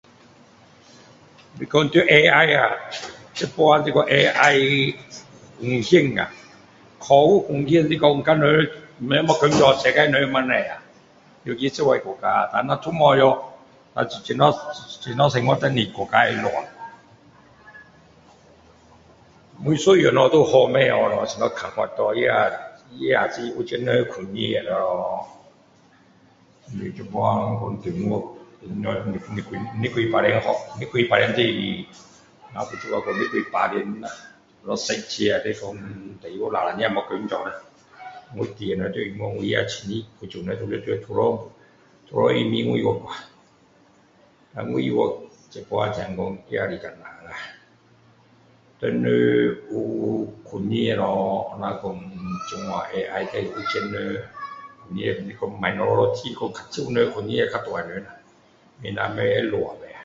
你讲到AI啊，现在就说AI, 风险啊，科学风险是说，让人没工做，世界人那么多啊。尤其这国家，但事都没得做，怎样，怎样生活呢，真是国家会乱。每一样事都有好跟不好的，有什么看法，那，那是有钱人控制咯! 你现在看中国二十多，二十多巴仙[har]，二十多巴仙就是我们福州人说 [unintelligible] 巴仙啦，十个来说，至少两个人，没有工作啦。我弟们 [unintelligible] 我那亲戚，福州人都那，都那移民外国了。但外国，现在说也是艰难啊。谁能有控制了这样AI啊，那有钱人 ，你讲majority人控制较大人啦，明天不懂会乱吗？